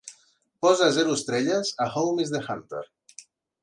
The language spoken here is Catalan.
Posa zero estrelles a "Home Is the Hunter"